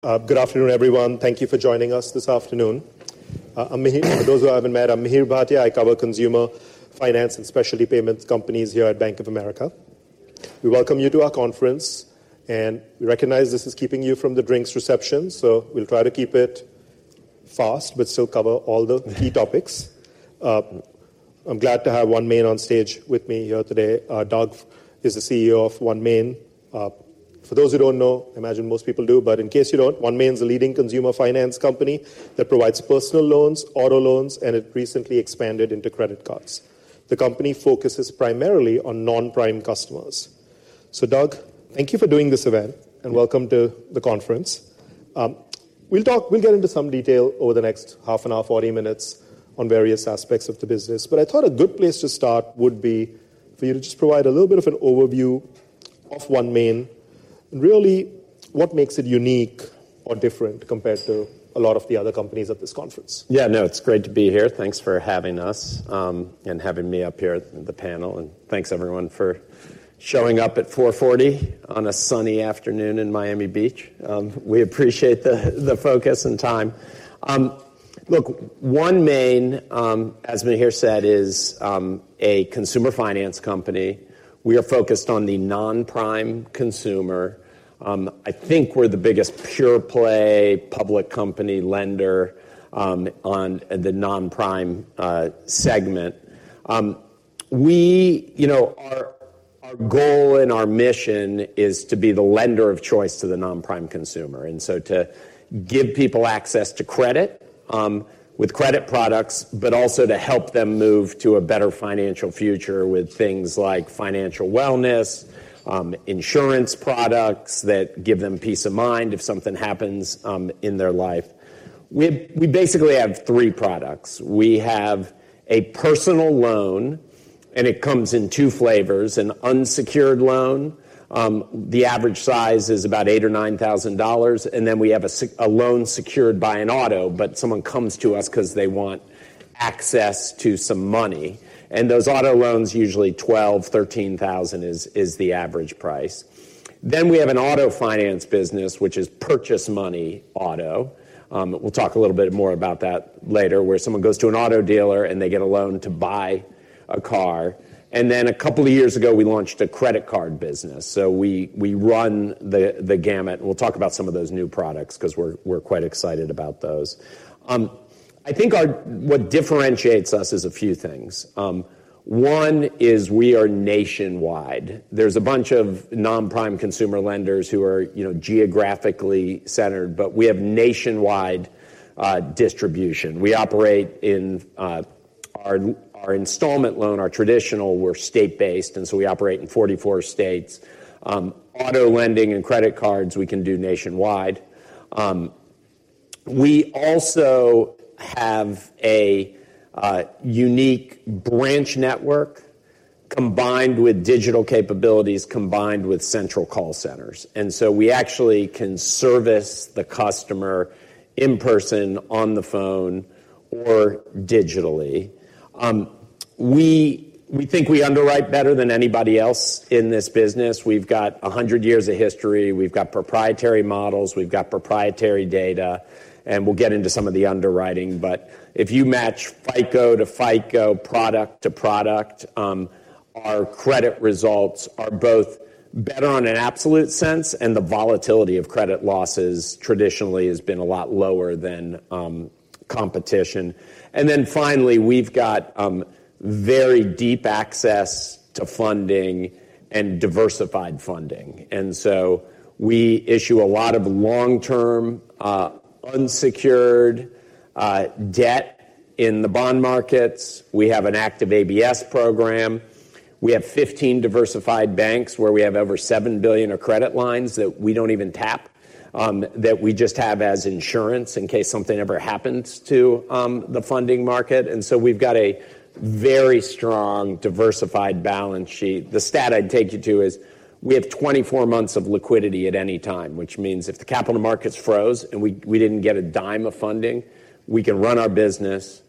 Good afternoon, everyone. Thank you for joining us this afternoon. I'm Mihir. For those who I haven't met, I'm Mihir Bhatia. I cover consumer, finance, and specialty payments companies here at Bank of America. We welcome you to our conference, and we recognize this is keeping you from the drinks reception, so we'll try to keep it fast, but still cover all the key topics. I'm glad to have OneMain on stage with me here today. Doug is the CEO of OneMain. For those who don't know, I imagine most people do, but in case you don't, OneMain's a leading consumer finance company that provides personal loans, auto loans, and it recently expanded into credit cards. The company focuses primarily on non-prime customers. So Doug, thank you for doing this event, and welcome to the conference. We'll get into some detail over the next half an hour, 40 minutes, on various aspects of the business. But I thought a good place to start would be for you to just provide a little bit of an overview of OneMain, and really, what makes it unique or different compared to a lot of the other companies at this conference? Yeah, no, it's great to be here. Thanks for having us, and having me up here at the panel, and thanks, everyone, for showing up at 4:40 P.M. on a sunny afternoon in Miami Beach. We appreciate the focus and time. Look, OneMain, as Mihir said, is a consumer finance company. We are focused on the non-prime consumer. I think we're the biggest pure play public company lender on the non-prime segment. We, you know, our goal and our mission is to be the lender of choice to the non-prime consumer, and so to give people access to credit with credit products, but also to help them move to a better financial future with things like financial wellness, insurance products that give them peace of mind if something happens in their life. We basically have three products. We have a personal loan, and it comes in two flavors, an unsecured loan, the average size is about $8,000-$9,000, and then we have a loan secured by an auto, but someone comes to us 'cause they want access to some money. And those auto loans, usually $12,000-$13,000 is the average price. Then we have an auto finance business, which is purchase money auto. We'll talk a little bit more about that later, where someone goes to an auto dealer, and they get a loan to buy a car. And then a couple of years ago, we launched a credit card business, so we run the gamut. We'll talk about some of those new products 'cause we're quite excited about those. I think our... What differentiates us is a few things. One is we are nationwide. There's a bunch of non-prime consumer lenders who are, you know, geographically centered, but we have nationwide distribution. We operate in our installment loan, our traditional; we're state-based, and so we operate in 44 states. Auto lending and credit cards, we can do nationwide. We also have a unique branch network, combined with digital capabilities, combined with central call centers, and so we actually can service the customer in person, on the phone, or digitally. We think we underwrite better than anybody else in this business. We've got 100 years of history. We've got proprietary models. We've got proprietary data, and we'll get into some of the underwriting. But if you match FICO to FICO, product to product, our credit results are both better on an absolute sense, and the volatility of credit losses traditionally has been a lot lower than competition. And then finally, we've got very deep access to funding and diversified funding. And so we issue a lot of long-term, unsecured, debt in the bond markets. We have an active ABS program. We have 15 diversified banks, where we have over $7 billion of credit lines that we don't even tap, that we just have as insurance in case something ever happens to the funding market. And so we've got a very strong, diversified balance sheet. The stat I'd take you to is we have 24 months of liquidity at any time, which means if the capital markets froze, and we didn't get a dime of funding, we can run our business,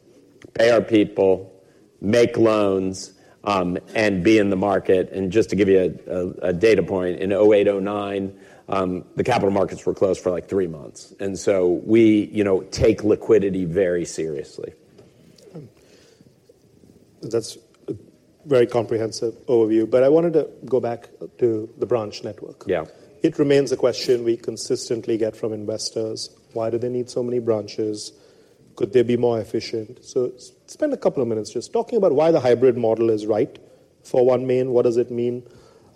pay our people, make loans, and be in the market. And just to give you a data point, in 2008, 2009, the capital markets were closed for, like, 3 months, and so we, you know, take liquidity very seriously. That's a very comprehensive overview, but I wanted to go back to the branch network. Yeah. It remains a question we consistently get from investors: Why do they need so many branches? Could they be more efficient? So spend a couple of minutes just talking about why the hybrid model is right for OneMain. What does it mean?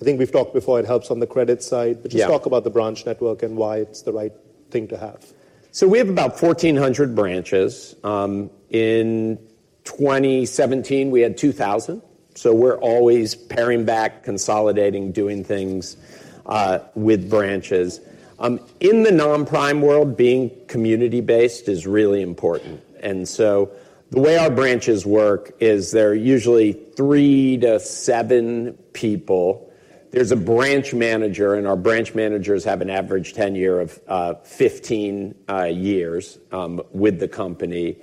I think we've talked before, it helps on the credit side. Yeah. Just talk about the branch network and why it's the right thing to have. So we have about 1,400 branches. In 2017, we had 2,000, so we're always paring back, consolidating, doing things with branches. In the non-prime world, being community-based is really important, and so the way our branches work is there are usually 3-7 people. There's a branch manager, and our branch managers have an average tenure of 15 years with the company.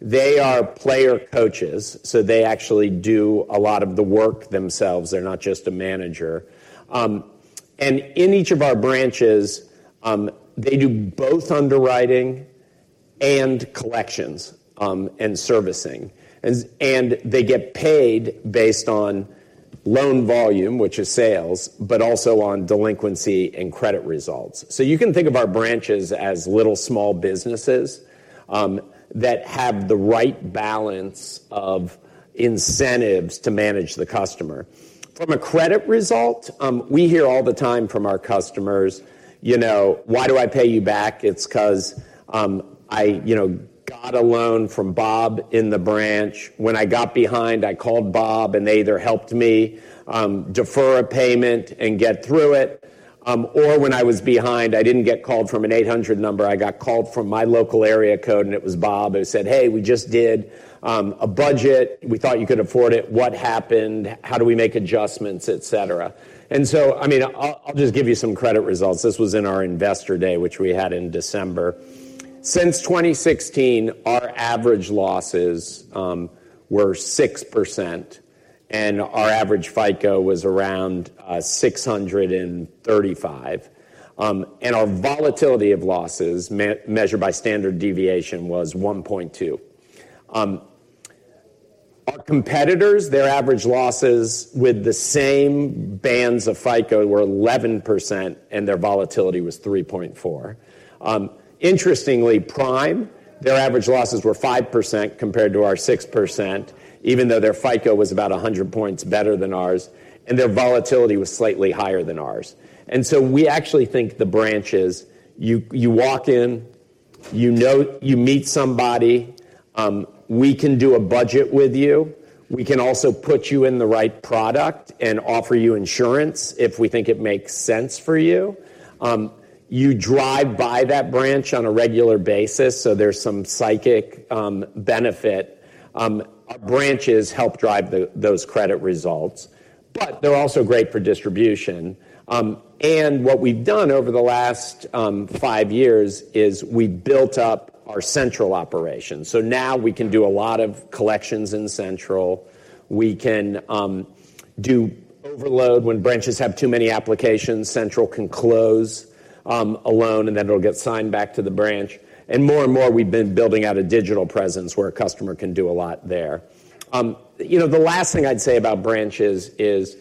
They are player coaches, so they actually do a lot of the work themselves. They're not just a manager. And in each of our branches, they do both underwriting and collections and servicing. And they get paid based on loan volume, which is sales, but also on delinquency and credit results. So you can think of our branches as little small businesses that have the right balance of incentives to manage the customer. From a credit result, we hear all the time from our customers, you know, "Why do I pay you back? It's 'cause, I, you know, got a loan from Bob in the branch. When I got behind, I called Bob, and they either helped me, defer a payment and get through it, or when I was behind, I didn't get called from an 800 number. I got called from my local area code, and it was Bob, who said, 'Hey, we just did a budget. We thought you could afford it. What happened? How do we make adjustments?'" et cetera. And so, I mean, I'll just give you some credit results. This was in our Investor Day, which we had in December. Since 2016, our average losses were 6%, and our average FICO was around 635. And our volatility of losses, measured by standard deviation, was 1.2. Our competitors, their average losses with the same bands of FICO were 11%, and their volatility was 3.4. Interestingly, prime, their average losses were 5% compared to our 6%, even though their FICO was about 100 points better than ours, and their volatility was slightly higher than ours. And so we actually think the branches, you walk in, you know. You meet somebody. We can do a budget with you. We can also put you in the right product and offer you insurance if we think it makes sense for you. You drive by that branch on a regular basis, so there's some psychic benefit. Our branches help drive those credit results, but they're also great for distribution. What we've done over the last 5 years is we built up our central operations. So now we can do a lot of collections in central. We can do overload. When branches have too many applications, central can close a loan, and then it'll get signed back to the branch. And more and more, we've been building out a digital presence where a customer can do a lot there. You know, the last thing I'd say about branches is,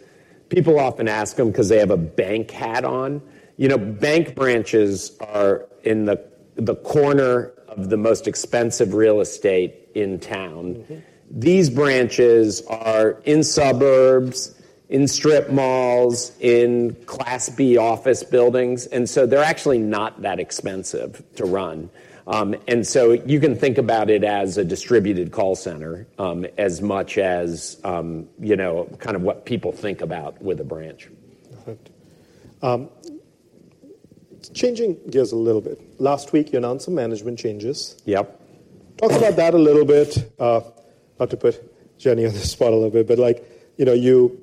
people often ask them because they have a bank hat on. You know, bank branches are in the corner of the most expensive real estate in town. These branches are in suburbs, in strip malls, in Class B office buildings, and so they're actually not that expensive to run. And so you can think about it as a distributed call center, as much as, you know, kind of what people think about with a branch. Perfect. Changing gears a little bit. Last week, you announced some management changes. Yep. Talk about that a little bit. Not to put Jenny on the spot a little bit, but, like, you know, you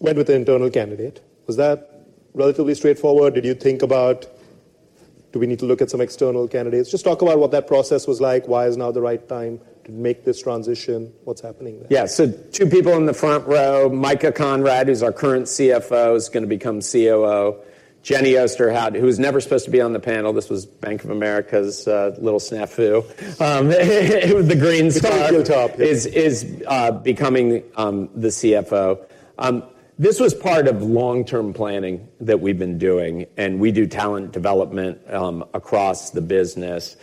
went with an internal candidate. Was that relatively straightforward? Did you think about, do we need to look at some external candidates? Just talk about what that process was like. Why is now the right time to make this transition? What's happening there? Yeah. So two people in the front row, Micah Conrad, who's our current CFO, is gonna become COO. Jenny Osterhout, who was never supposed to be on the panel, this was Bank of America's little snafu with the green scarf- The green top... is becoming the CFO. This was part of long-term planning that we've been doing, and we do talent development across the business.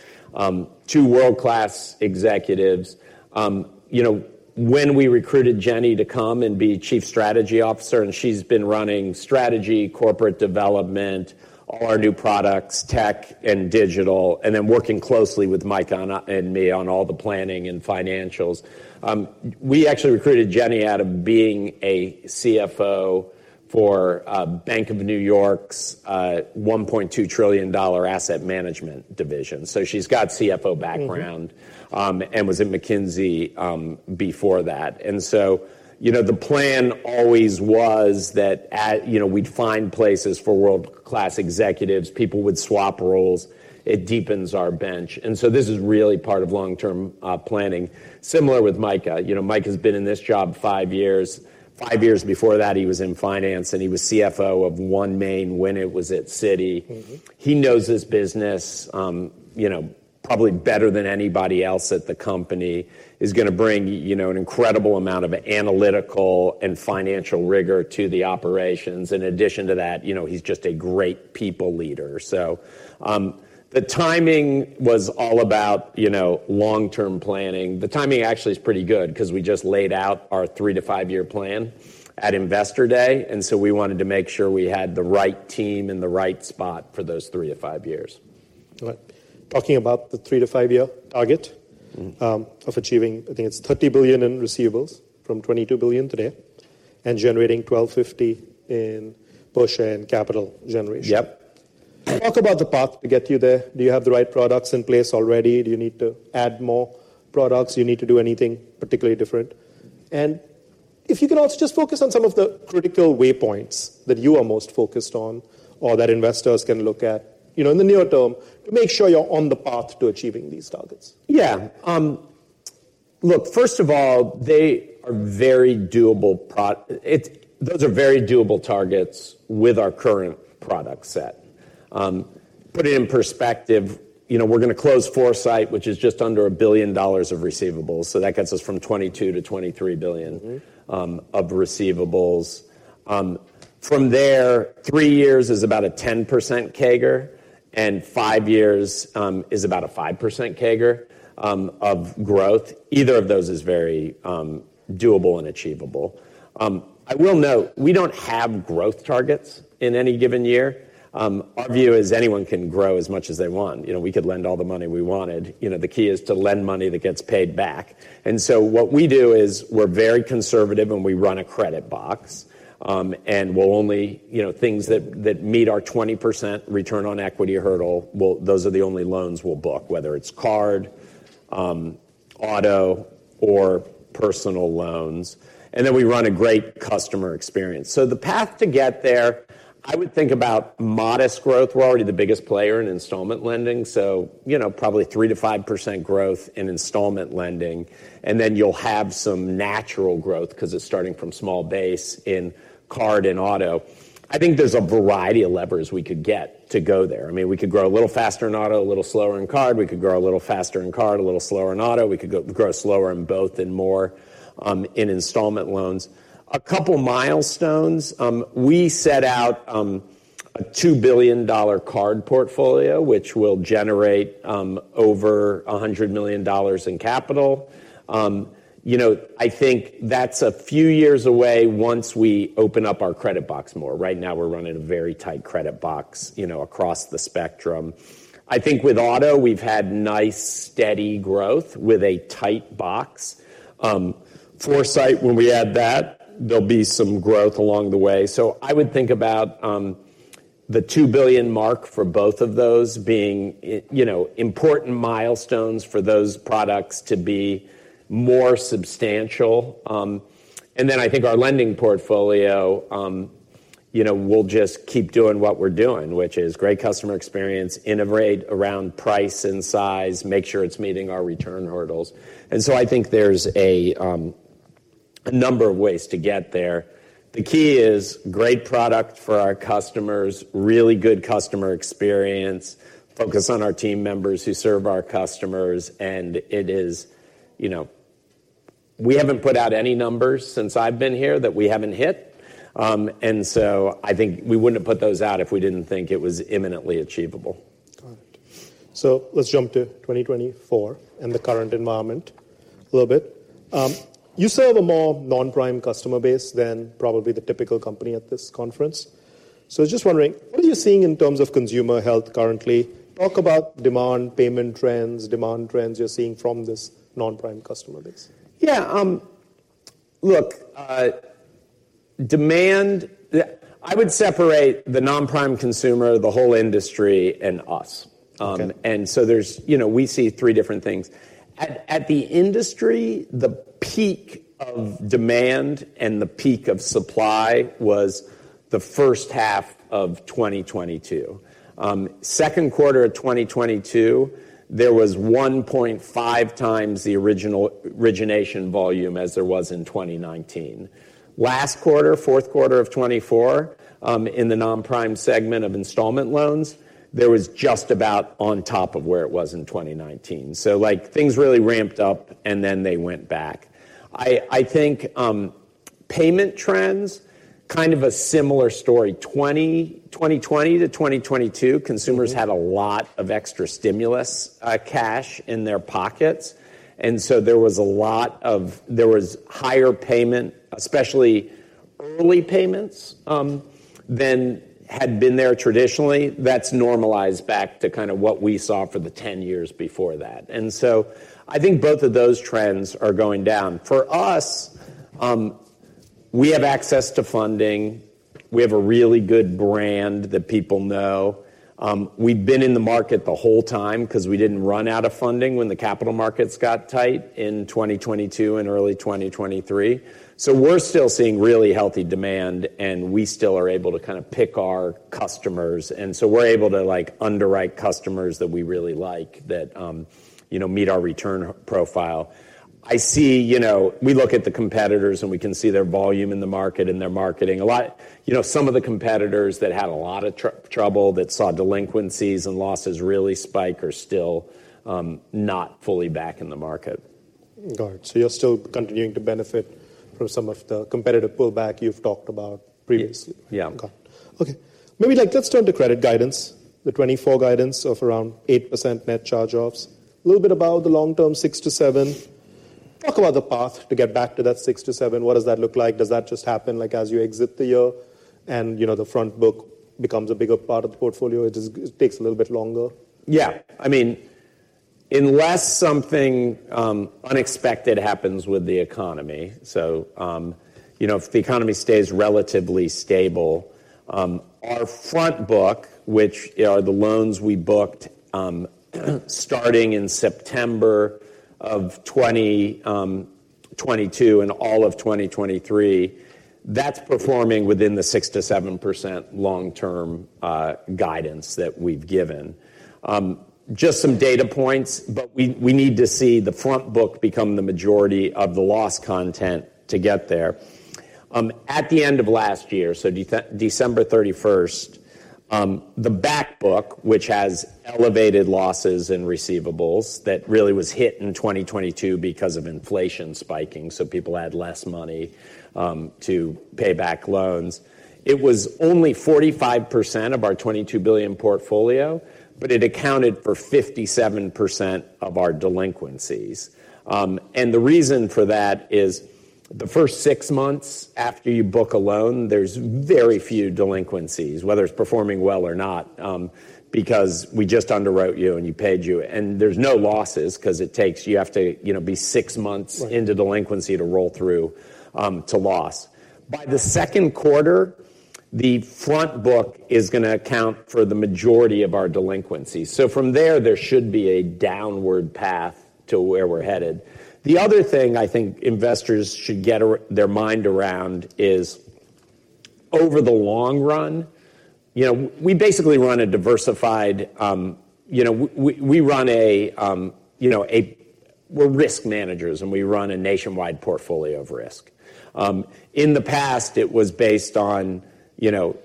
Two world-class executives. You know, when we recruited Jenny to come and be Chief Strategy Officer, and she's been running strategy, corporate development, all our new products, tech and digital, and then working closely with Micah and me on all the planning and financials. We actually recruited Jenny out of being a CFO for BNY Mellon's $1.2 trillion asset management division. So she's got CFO background.... and was at McKinsey, before that. And so, you know, the plan always was that at you know, we'd find places for world-class executives. People would swap roles. It deepens our bench. And so this is really part of long-term, planning. Similar with Micah. You know, Micah has been in this job five years. Five years before that, he was in finance, and he was CFO of OneMain when it was at Citi. He knows this business, you know, probably better than anybody else at the company. He's gonna bring you know, an incredible amount of analytical and financial rigor to the operations. In addition to that, you know, he's just a great people leader. So, the timing was all about, you know, long-term planning. The timing actually is pretty good 'cause we just laid out our 3-5-year plan at Investor Day, and so we wanted to make sure we had the right team in the right spot for those 3-5 years. All right. Talking about the 3-5-year target-... of achieving, I think it's $30 billion in receivables from $22 billion today, and generating $12.50 in per share and capital generation. Yep. Talk about the path to get you there. Do you have the right products in place already? Do you need to add more products? Do you need to do anything particularly different? If you can also just focus on some of the critical waypoints that you are most focused on or that investors can look at, you know, in the near term, to make sure you're on the path to achieving these targets. Yeah, look, first of all, they are very doable; those are very doable targets with our current product set. Put it in perspective, you know, we're gonna close Foursight, which is just under $1 billion of receivables, so that gets us from $22 billion to $23 billion of receivables. From there, three years is about a 10% CAGR, and five years is about a 5% CAGR of growth. Either of those is very doable and achievable. I will note, we don't have growth targets in any given year. Our view is anyone can grow as much as they want. You know, we could lend all the money we wanted. You know, the key is to lend money that gets paid back. And so what we do is we're very conservative, and we run a credit box, and we'll only, you know, things that meet our 20% return on equity hurdle, well, those are the only loans we'll book, whether it's card, auto, or personal loans. And then we run a great customer experience. So the path to get there, I would think about modest growth. We're already the biggest player in installment lending, so, you know, probably 3%-5% growth in installment lending, and then you'll have some natural growth 'cause it's starting from small base in card and auto. I think there's a variety of levers we could get to go there. I mean, we could grow a little faster in auto, a little slower in card. We could grow a little faster in card, a little slower in auto. We could grow slower in both and more in installment loans. A couple milestones we set out, a $2 billion card portfolio, which will generate over $100 million in capital. You know, I think that's a few years away once we open up our credit box more. Right now, we're running a very tight credit box, you know, across the spectrum. I think with auto, we've had nice, steady growth with a tight box. Foursight, when we add that, there'll be some growth along the way. So I would think about the $2 billion mark for both of those being you know, important milestones for those products to be more substantial. And then I think our lending portfolio, you know, we'll just keep doing what we're doing, which is great customer experience, innovate around price and size, make sure it's meeting our return hurdles. And so I think there's a number of ways to get there. The key is great product for our customers, really good customer experience, focus on our team members who serve our customers, and it is... You know, we haven't put out any numbers since I've been here that we haven't hit, and so I think we wouldn't have put those out if we didn't think it was imminently achievable. Got it. Let's jump to 2024 and the current environment a little bit. You serve a more non-prime customer base than probably the typical company at this conference. Just wondering, what are you seeing in terms of consumer health currently? Talk about demand, payment trends, demand trends you're seeing from this non-prime customer base. Yeah, look, demand, the... I would separate the non-prime consumer, the whole industry, and us. And so there's, you know, we see three different things. At the industry, the peak of demand and the peak of supply was the first half of 2022. Second quarter of 2022, there was 1.5 times the original origination volume as there was in 2019. Last quarter, fourth quarter of 2024, in the non-prime segment of installment loans, there was just about on top of where it was in 2019. So, like, things really ramped up, and then they went back. I think, payment trends, kind of a similar story. 2020 to 2022 consumers had a lot of extra stimulus cash in their pockets, and so there was higher payment, especially early payments, than had been there traditionally. That's normalized back to kind of what we saw for the 10 years before that. And so I think both of those trends are going down. For us, we have access to funding. We have a really good brand that people know. We've been in the market the whole time 'cause we didn't run out of funding when the capital markets got tight in 2022 and early 2023. So we're still seeing really healthy demand, and we still are able to kind of pick our customers, and so we're able to, like, underwrite customers that we really like, that, you know, meet our return profile. I see, you know, we look at the competitors, and we can see their volume in the market and their marketing. You know, some of the competitors that had a lot of trouble, that saw delinquencies and losses really spike, are still not fully back in the market. Got it. So you're still continuing to benefit from some of the competitive pullback you've talked about previously? Yeah. Got it. Okay, maybe, like, let's turn to credit guidance, the 2024 guidance of around 8% net charge-offs. A little bit about the long-term 6%-7%. Talk about the path to get back to that 6%-7%. What does that look like? Does that just happen, like, as you exit the year, and, you know, the front book becomes a bigger part of the portfolio, it just, it takes a little bit longer? Yeah. I mean, unless something unexpected happens with the economy, so, you know, if the economy stays relatively stable, our front book, which, you know, are the loans we booked starting in September of 2022 and all of 2023, that's performing within the 6%-7% long-term guidance that we've given. Just some data points, but we need to see the front book become the majority of the loss content to get there. At the end of last year, so December 31st, the back book, which has elevated losses in receivables, that really was hit in 2022 because of inflation spiking, so people had less money to pay back loans. It was only 45% of our $22 billion portfolio, but it accounted for 57% of our delinquencies. and the reason for that is, the first six months after you book a loan, there's very few delinquencies, whether it's performing well or not, because we just underwrote you, and we paid you, and there's no losses, 'cause it takes - you have to, you know, be six months into delinquency to roll through, to loss. By the second quarter, the front book is gonna account for the majority of our delinquencies. So from there, there should be a downward path to where we're headed. The other thing I think investors should get their mind around is, over the long run, you know, we basically run a diversified... You know, we run a... we're risk managers, and we run a nationwide portfolio of risk. In the past, it was based on, you know,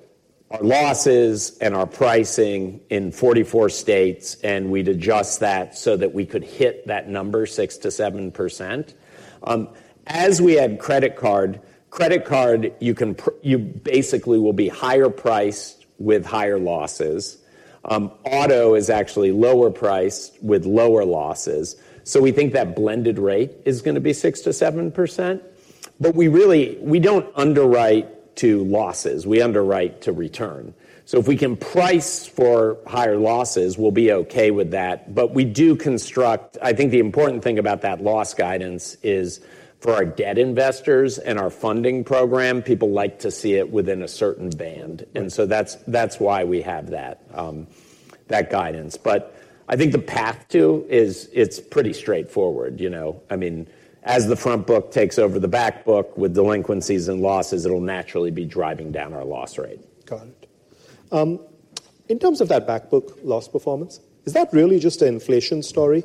our losses and our pricing in 44 states, and we'd adjust that so that we could hit that number, 6%-7%. As we add credit card, credit card, you basically will be higher priced with higher losses. Auto is actually lower priced with lower losses. So we think that blended rate is gonna be 6%-7%, but we really, we don't underwrite to losses, we underwrite to return. So if we can price for higher losses, we'll be okay with that, but we do construct. I think the important thing about that loss guidance is, for our debt investors and our funding program, people like to see it within a certain band. And so that's, that's why we have that, that guidance. But I think the path to is, it's pretty straightforward, you know. I mean, as the front book takes over the back book with delinquencies and losses, it'll naturally be driving down our loss rate. Got it. In terms of that back book loss performance, is that really just an inflation story,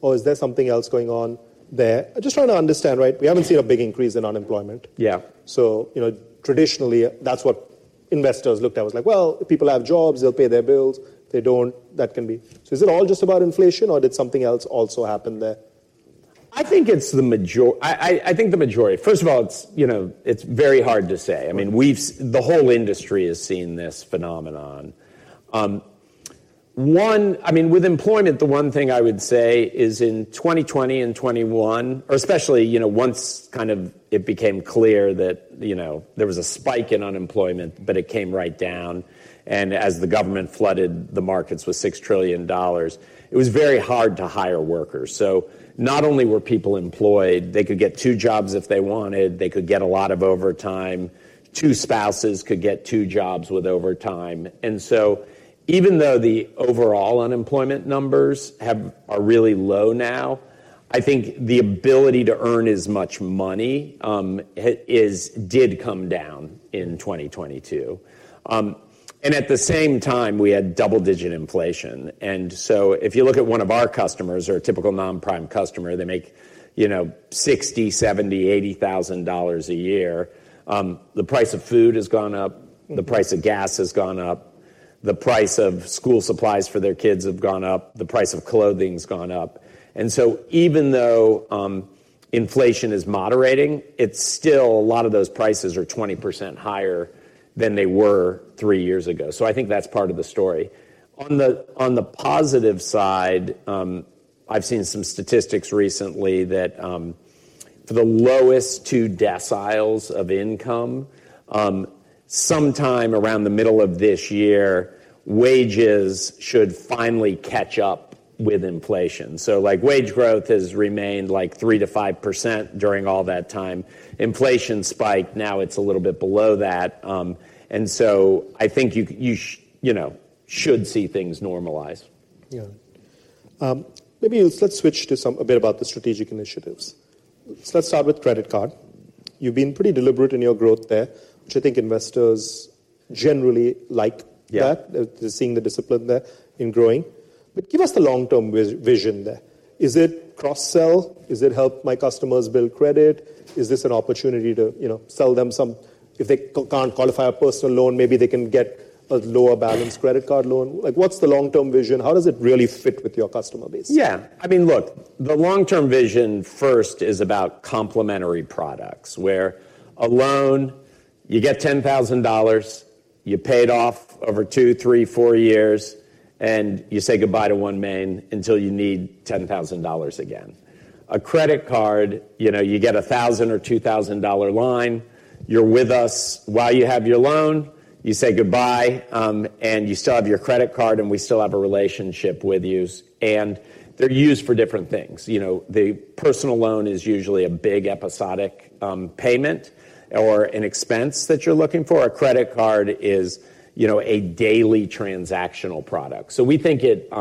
or is there something else going on there? I'm just trying to understand, right? We haven't seen a big increase in unemployment. Yeah. So, you know, traditionally, that's what investors looked at, was like: Well, if people have jobs, they'll pay their bills. If they don't, that can be... So is it all just about inflation, or did something else also happen there? I think it's the majority... First of all, it's, you know, it's very hard to say. I mean, we've seen the whole industry has seen this phenomenon. I mean, with employment, the one thing I would say is in 2020 and 2021, or especially, you know, once kind of it became clear that, you know, there was a spike in unemployment, but it came right down, and as the government flooded the markets with $6 trillion, it was very hard to hire workers. So not only were people employed, they could get two jobs if they wanted, they could get a lot of overtime. Two spouses could get two jobs with overtime. And so even though the overall unemployment numbers are really low now, I think the ability to earn as much money higher, it did come down in 2022. And at the same time, we had double-digit inflation. And so if you look at one of our customers or a typical non-prime customer, they make, you know, $60,000-$80,000 a year. The price of food has gone up, the price of gas has gone up, the price of school supplies for their kids have gone up, the price of clothing's gone up. And so even though inflation is moderating, it's still a lot of those prices are 20% higher than they were three years ago. So I think that's part of the story. On the positive side, I've seen some statistics recently that for the lowest two deciles of income, sometime around the middle of this year, wages should finally catch up with inflation. So, like, wage growth has remained, like, 3%-5% during all that time. Inflation spiked, now it's a little bit below that. And so I think you, you know, should see things normalize. Yeah. Maybe let's, let's switch to a bit about the strategic initiatives. So let's start with credit card. You've been pretty deliberate in your growth there, which I think investors generally like that-... they're seeing the discipline there in growing. But give us the long-term vision there. Is it cross-sell? Is it help my customers build credit? Is this an opportunity to, you know, sell them some-- if they can't qualify a personal loan, maybe they can get a lower balance credit card loan? Like, what's the long-term vision? How does it really fit with your customer base? Yeah. I mean, look, the long-term vision first is about complementary products, where a loan, you get $10,000, you pay it off over two, three, four years, and you say goodbye to OneMain until you need $10,000 again. A credit card, you know, you get a $1,000 or $2,000 line. You're with us while you have your loan, you say goodbye, and you still have your credit card, and we still have a relationship with you. And they're used for different things. You know, the personal loan is usually a big, episodic payment or an expense that you're looking for. A credit card is, you know, a daily transactional product. So we think it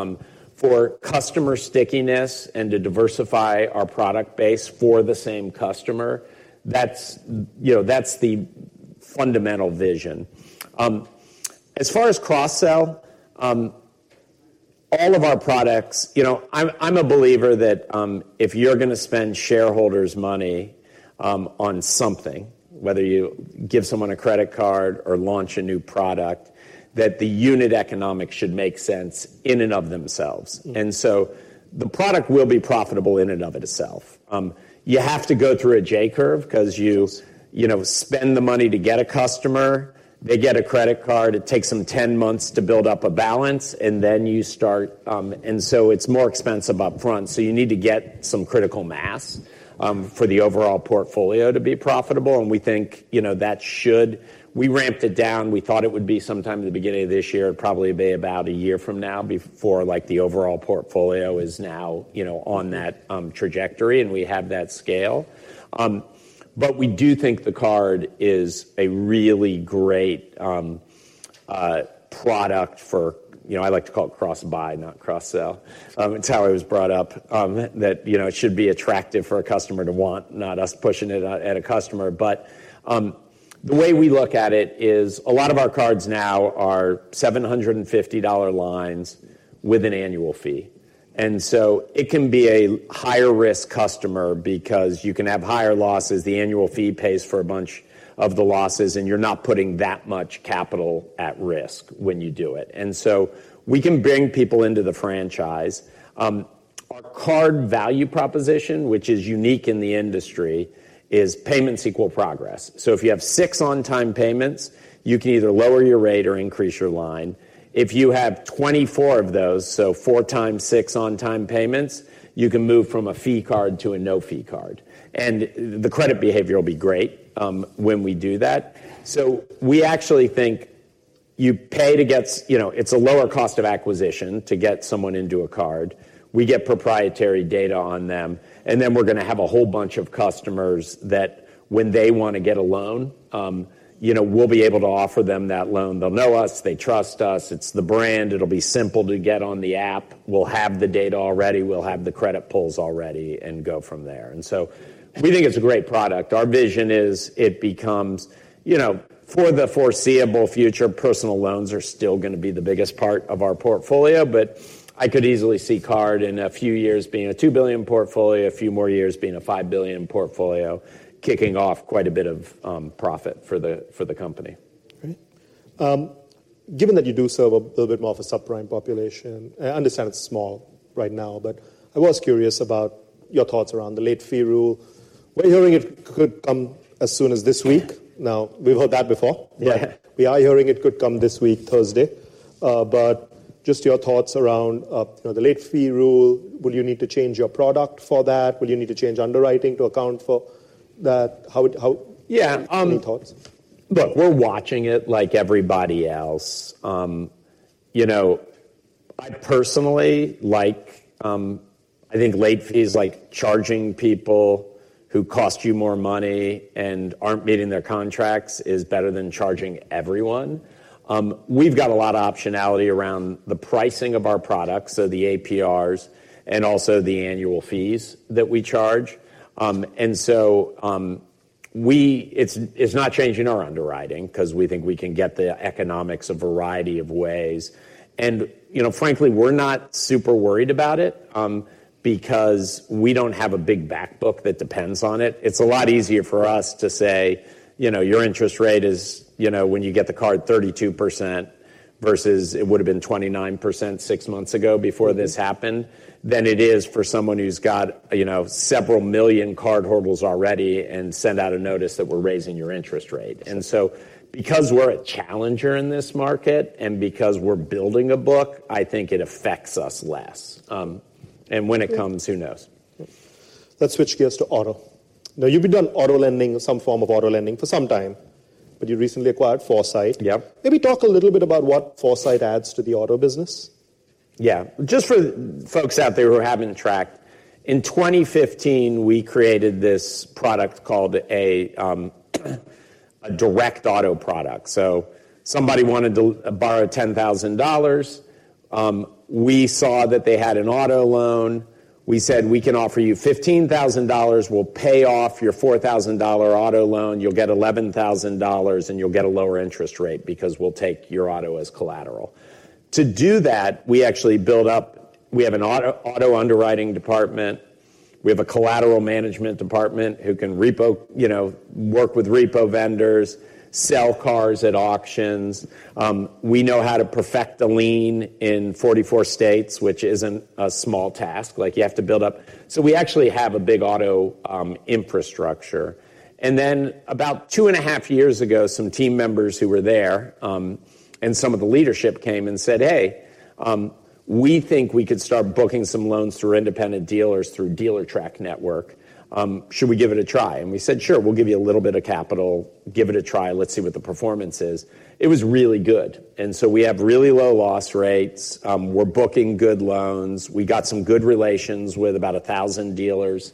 for customer stickiness and to diversify our product base for the same customer, that's, you know, that's the fundamental vision. As far as cross-sell, all of our products, you know, I'm a believer that, if you're gonna spend shareholders' money, on something, whether you give someone a credit card or launch a new product, that the unit economics should make sense in and of themselves. And so the product will be profitable in and of itself. You have to go through a J-curve 'cause you, you know, spend the money to get a customer, they get a credit card, it takes them 10 months to build up a balance, and then you start. And so it's more expensive upfront. So you need to get some critical mass for the overall portfolio to be profitable, and we think, you know, that should. We ramped it down. We thought it would be sometime in the beginning of this year, probably be about a year from now, before, like, the overall portfolio is now, you know, on that trajectory, and we have that scale. But we do think the card is a really great product for, you know, I like to call it cross-buy, not cross-sell. It's how I was brought up, that, you know, it should be attractive for a customer to want, not us pushing it at a customer. But, the way we look at it is, a lot of our cards now are $750 lines with an annual fee. And so it can be a higher risk customer because you can have higher losses. The annual fee pays for a bunch of the losses, and you're not putting that much capital at risk when you do it. And so we can bring people into the franchise. Our card value proposition, which is unique in the industry, is Payments Equal Progress. So if you have 6 on-time payments, you can either lower your rate or increase your line. If you have 24 of those, so 4 times 6 on-time payments, you can move from a fee card to a no-fee card. And the credit behavior will be great when we do that. So we actually think you pay to get, you know, it's a lower cost of acquisition to get someone into a card. We get proprietary data on them, and then we're gonna have a whole bunch of customers that when they wanna get a loan, you know, we'll be able to offer them that loan. They'll know us, they trust us, it's the brand, it'll be simple to get on the app. We'll have the data already, we'll have the credit pulls already and go from there. And so we think it's a great product. Our vision is it becomes... You know, for the foreseeable future, personal loans are still gonna be the biggest part of our portfolio, but I could easily see card in a few years being a $2 billion portfolio, a few more years being a $5 billion portfolio, kicking off quite a bit of profit for the company. Great. Given that you do serve a little bit more of a subprime population, I understand it's small right now, but I was curious about your thoughts around the late fee rule. We're hearing it could come as soon as this week. Now, we've heard that before. Yeah. But we are hearing it could come this week, Thursday. But just your thoughts around, you know, the late fee rule. Will you need to change your product for that? Will you need to change underwriting to account for that? How would Yeah, um- Any thoughts? Look, we're watching it like everybody else. You know, I personally like, I think late fees, like charging people who cost you more money and aren't meeting their contracts, is better than charging everyone. We've got a lot of optionality around the pricing of our products, so the APRs and also the annual fees that we charge. And so, it's, it's not changing our underwriting, 'cause we think we can get the economics a variety of ways. And, you know, frankly, we're not super worried about it, because we don't have a big back book that depends on it. It's a lot easier for us to say, you know, "Your interest rate is, you know, when you get the card, 32%," versus it would've been 29% six months ago before this happened, than it is for someone who's got, you know, several million card holders already and send out a notice that we're raising your interest rate. And so because we're a challenger in this market and because we're building a book, I think it affects us less. And when it comes, who knows? Let's switch gears to auto. Now, you've been doing auto lending or some form of auto lending for some time, but you recently acquired Foursight. Yeah. Maybe talk a little bit about what Foursight adds to the auto business. Yeah. Just for folks out there who haven't tracked, in 2015, we created this product called a direct auto product. So somebody wanted to borrow $10,000, we saw that they had an auto loan. We said, "We can offer you $15,000. We'll pay off your $4,000 auto loan. You'll get $11,000, and you'll get a lower interest rate because we'll take your auto as collateral." To do that, we actually built up... We have an auto underwriting department, we have a collateral management department who can repo, you know, work with repo vendors, sell cars at auctions. We know how to perfect a lien in 44 states, which isn't a small task, like you have to build up. So we actually have a big auto infrastructure. And then about 2.5 years ago, some team members who were there, and some of the leadership came and said, "Hey, we think we could start booking some loans through independent dealers, through Dealertrack network. Should we give it a try?" And we said: Sure, we'll give you a little bit of capital. Give it a try. Let's see what the performance is. It was really good, and so we have really low loss rates. We're booking good loans. We got some good relations with about 1,000 dealers,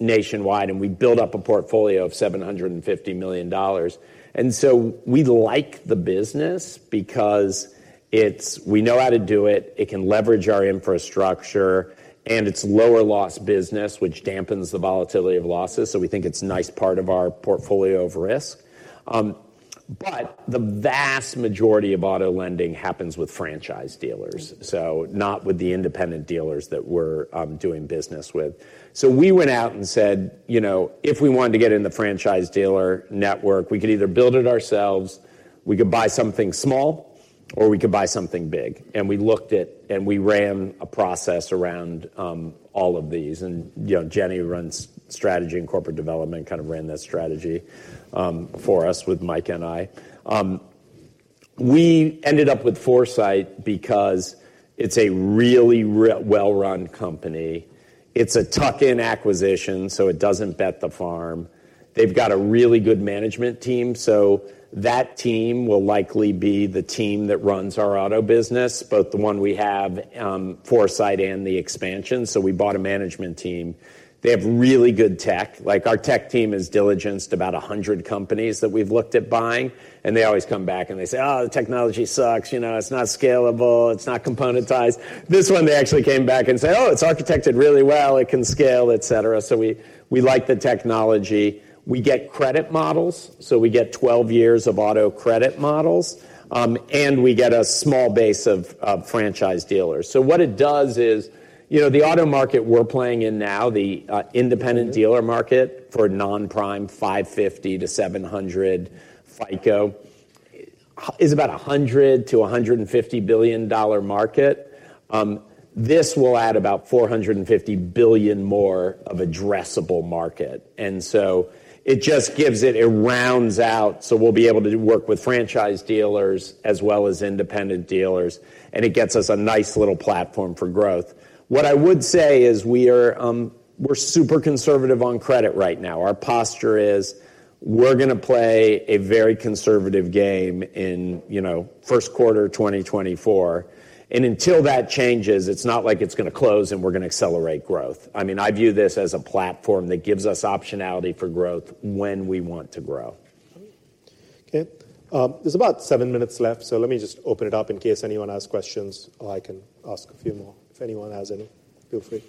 nationwide, and we built up a portfolio of $750 million. And so we like the business because it's, we know how to do it, it can leverage our infrastructure, and it's lower loss business, which dampens the volatility of losses. So we think it's a nice part of our portfolio of risk. But the vast majority of auto lending happens with franchise dealers, so not with the independent dealers that we're doing business with. So we went out and said, you know, if we wanted to get in the franchise dealer network, we could either build it ourselves, we could buy something small, or we could buy something big. And we looked at and we ran a process around all of these. And, you know, Jenny, who runs strategy and corporate development, kind of ran that strategy for us with Micah and I. We ended up with Foursight because it's a really well-run company. It's a tuck-in acquisition, so it doesn't bet the farm. They've got a really good management team, so that team will likely be the team that runs our auto business, both the one we have, Foursight and the expansion. So we bought a management team. They have really good tech. Like, our tech team has diligenced about 100 companies that we've looked at buying, and they always come back and they say, "Oh, the technology sucks. You know, it's not scalable, it's not componentized." This one, they actually came back and said, "Oh, it's architected really well. It can scale, et cetera." So we like the technology. We get credit models, so we get 12 years of auto credit models, and we get a small base of franchise dealers. So what it does is, you know, the auto market we're playing in now, the independent dealer market for non-prime 550-700 FICO is about $100-$150 billion market. This will add about $450 billion more of addressable market. And so it just gives it... It rounds out, so we'll be able to work with franchise dealers as well as independent dealers, and it gets us a nice little platform for growth. What I would say is we are, we're super conservative on credit right now. Our posture is we're gonna play a very conservative game in, you know, first quarter 2024. And until that changes, it's not like it's gonna close and we're gonna accelerate growth. I mean, I view this as a platform that gives us optionality for growth when we want to grow. Okay. There's about seven minutes left, so let me just open it up in case anyone has questions, or I can ask a few more. If anyone has any, feel free.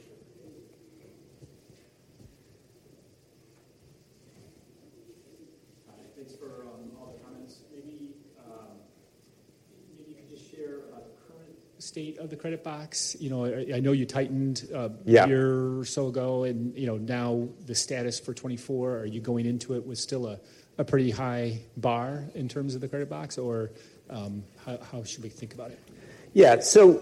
Hi, thanks for all the comments. Maybe you could just share the current state of the credit box. You know, I know you tightened. Yeah... a year or so ago, and, you know, now the status for 2024, are you going into it with still a, a pretty high bar in terms of the credit box? Or, how should we think about it? Yeah. So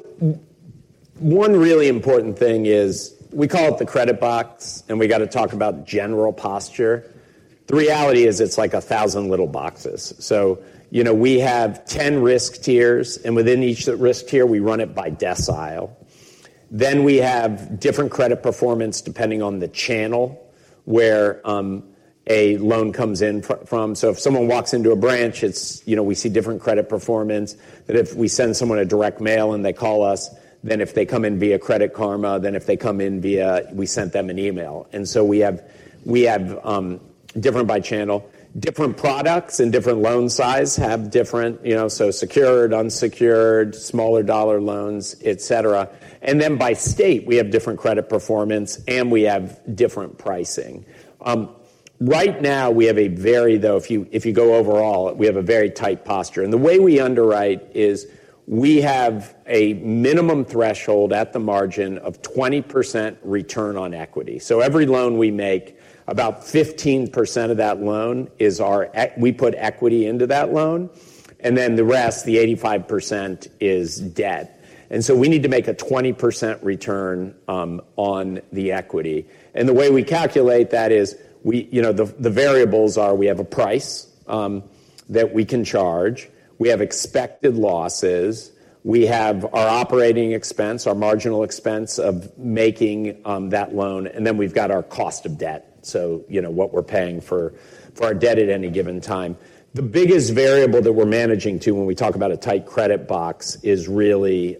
one really important thing is we call it the credit box, and we got to talk about general posture. The reality is it's like 1,000 little boxes. So, you know, we have 10 risk tiers, and within each risk tier, we run it by decile. Then we have different credit performance depending on the channel where a loan comes in from. So if someone walks into a branch, it's, you know, we see different credit performance than if we send someone a direct mail and they call us, than if they come in via Credit Karma, than if they come in via we sent them an email. And so we have, we have, different by channel. Different products and different loan size have different, you know, so secured, unsecured, smaller dollar loans, et cetera. Then by state, we have different credit performance, and we have different pricing. Right now, we have a very tight posture, though if you go overall, we have a very tight posture. The way we underwrite is we have a minimum threshold at the margin of 20% return on equity. So every loan we make, about 15% of that loan is our—we put equity into that loan, and then the rest, the 85%, is debt. And so we need to make a 20% return on the equity. The way we calculate that is, you know, the variables are: we have a price that we can charge, we have expected losses, we have our operating expense, our marginal expense of making that loan, and then we've got our cost of debt, so, you know, what we're paying for our debt at any given time. The biggest variable that we're managing to, when we talk about a tight credit box, is really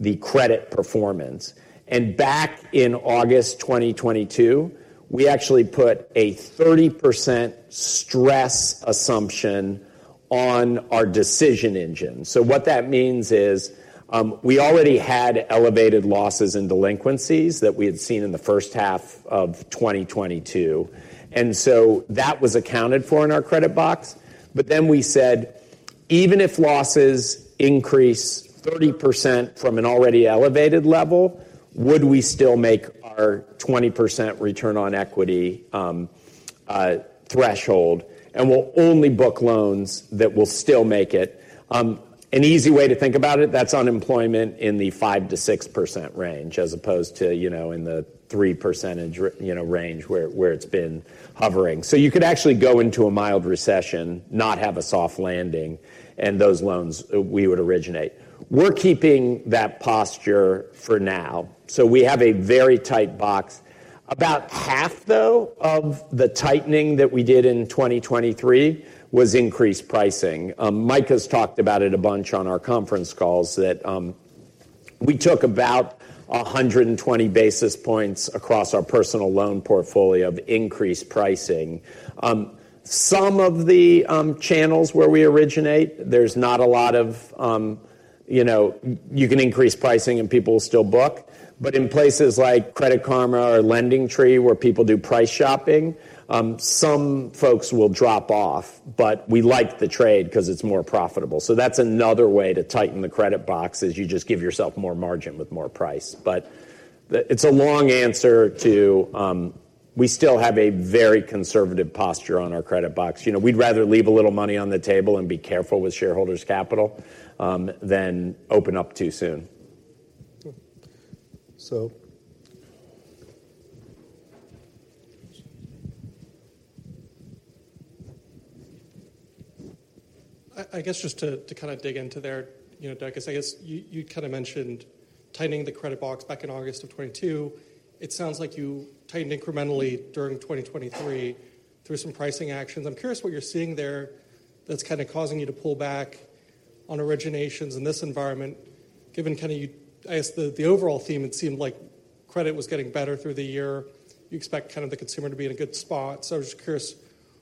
the credit performance. Back in August 2022, we actually put a 30% stress assumption on our decision engine. So what that means is, we already had elevated losses and delinquencies that we had seen in the first half of 2022, and so that was accounted for in our credit box. But then we said, "Even if losses increase 30% from an already elevated level, would we still make our 20% return on equity threshold? And we'll only book loans that will still make it." An easy way to think about it, that's unemployment in the 5%-6% range, as opposed to, you know, in the 3% range, where it's been hovering. So you could actually go into a mild recession, not have a soft landing, and those loans, we would originate. We're keeping that posture for now, so we have a very tight box. About half, though, of the tightening that we did in 2023 was increased pricing. Micah has talked about it a bunch on our conference calls, that we took about 120 basis points across our personal loan portfolio of increased pricing. Some of the channels where we originate, there's not a lot of you know, you can increase pricing and people will still book. But in places like Credit Karma or LendingTree, where people do price shopping, some folks will drop off, but we like the trade 'cause it's more profitable. So that's another way to tighten the credit box, is you just give yourself more margin with more price. But it's a long answer to... We still have a very conservative posture on our credit box. You know, we'd rather leave a little money on the table and be careful with shareholders' capital than open up too soon. I guess just to kind of dig into there, you know, Doug, it's I guess you kind of mentioned tightening the credit box back in August of 2022. It sounds like you tightened incrementally during 2023 through some pricing actions. I'm curious what you're seeing there that's kind of causing you to pull back on originations in this environment, given kind of—I guess the overall theme, it seemed like credit was getting better through the year. You expect kind of the consumer to be in a good spot. I'm just curious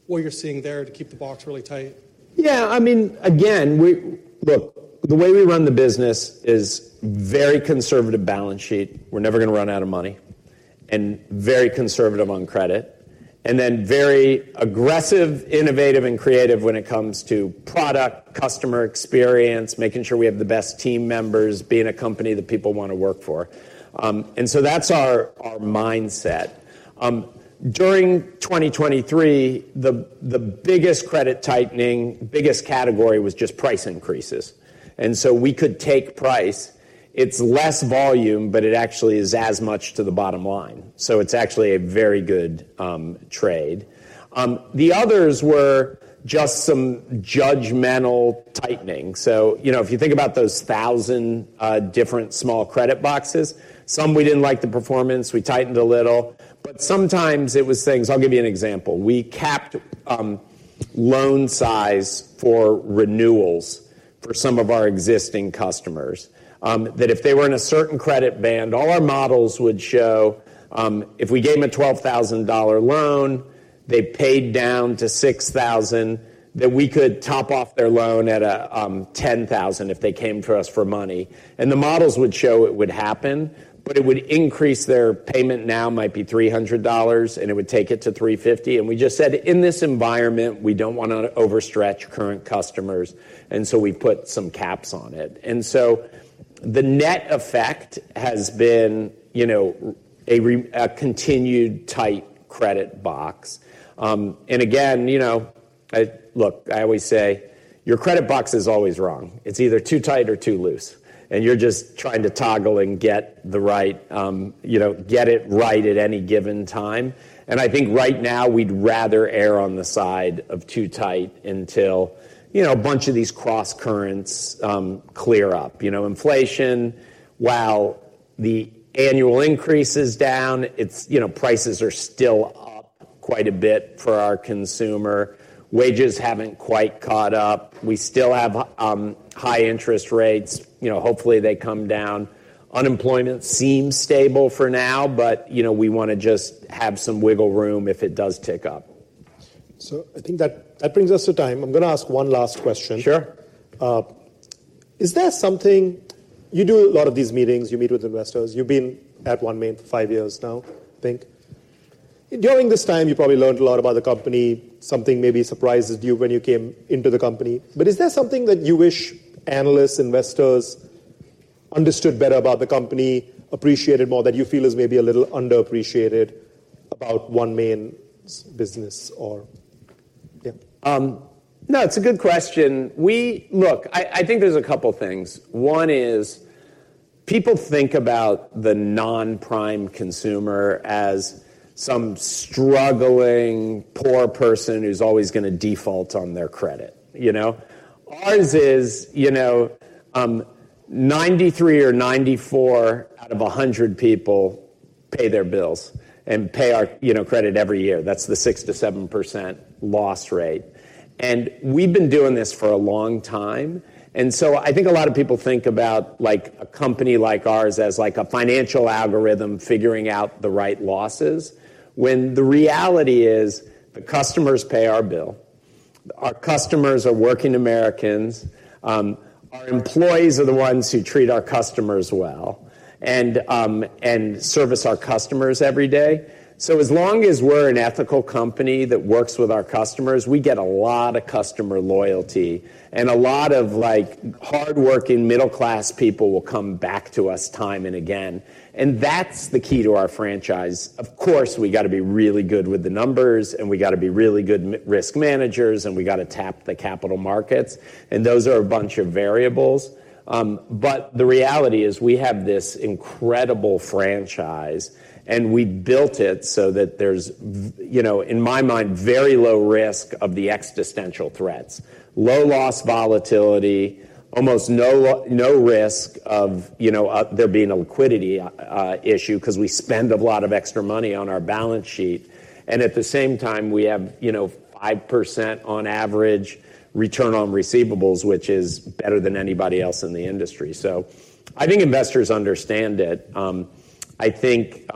what you're seeing there to keep the box really tight. Yeah, I mean, again, look, the way we run the business is very conservative balance sheet. We're never gonna run out of money, and very conservative on credit, and then very aggressive, innovative, and creative when it comes to product, customer experience, making sure we have the best team members, being a company that people want to work for. And so that's our mindset. During 2023, the biggest credit tightening, biggest category was just price increases, and so we could take price. It's less volume, but it actually is as much to the bottom line, so it's actually a very good trade. The others were just some judgmental tightening. So, you know, if you think about those 1,000 different small credit boxes, some we didn't like the performance, we tightened a little, but sometimes it was things... I'll give you an example. We capped loan size for renewals for some of our existing customers. That if they were in a certain credit band, all our models would show, if we gave them a $12,000 loan, they paid down to $6,000, that we could top off their loan at a $10,000 if they came to us for money. And the models would show it would happen, but it would increase their payment now might be $300, and it would take it to $350. And we just said, "In this environment, we don't wanna overstretch current customers," and so we put some caps on it. And so the net effect has been, you know, a continued tight credit box. And again, you know, I... Look, I always say, "Your credit box is always wrong. It's either too tight or too loose, and you're just trying to toggle and get the right, you know, get it right at any given time." And I think right now, we'd rather err on the side of too tight until, you know, a bunch of these crosscurrents clear up. You know, inflation, while the annual increase is down, you know, prices are still up quite a bit for our consumer. Wages haven't quite caught up. We still have high interest rates. You know, hopefully, they come down. Unemployment seems stable for now, but, you know, we wanna just have some wiggle room if it does tick up. I think that brings us to time. I'm gonna ask one last question. Sure. Is there something. You do a lot of these meetings, you meet with investors. You've been at OneMain for five years now, I think. During this time, you probably learned a lot about the company, something maybe surprises you when you came into the company. But is there something that you wish analysts, investors understood better about the company, appreciated more, that you feel is maybe a little underappreciated about OneMain's business or... Yeah. No, it's a good question. Look, I think there's a couple things. One is, people think about the non-prime consumer as some struggling, poor person who's always gonna default on their credit, you know? Ours is, you know, 93 or 94 out of 100 people pay their bills and pay our, you know, credit every year. That's the 6%-7% loss rate. And we've been doing this for a long time, and so I think a lot of people think about, like, a company like ours as like a financial algorithm figuring out the right losses, when the reality is, the customers pay our bill. Our customers are working Americans. Our employees are the ones who treat our customers well and service our customers every day. So as long as we're an ethical company that works with our customers, we get a lot of customer loyalty, and a lot of, like, hardworking, middle-class people will come back to us time and again, and that's the key to our franchise. Of course, we gotta be really good with the numbers, and we gotta be really good risk managers, and we gotta tap the capital markets, and those are a bunch of variables. But the reality is, we have this incredible franchise, and we built it so that there's you know, in my mind, very low risk of the existential threats. Low loss volatility, almost no risk of, you know, there being a liquidity issue, 'cause we spend a lot of extra money on our balance sheet. At the same time, we have, you know, 5% on average return on receivables, which is better than anybody else in the industry. I think investors understand it. I think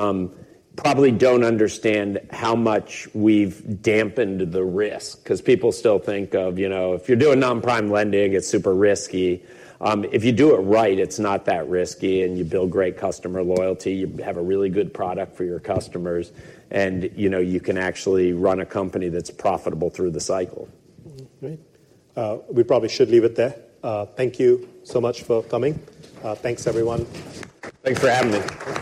probably don't understand how much we've dampened the risk, 'cause people still think of, you know, if you're doing non-prime lending, it's super risky. If you do it right, it's not that risky, and you build great customer loyalty, you have a really good product for your customers, and, you know, you can actually run a company that's profitable through the cycle. Mm-hmm. Great. We probably should leave it there. Thank you so much for coming. Thanks, everyone. Thanks for having me.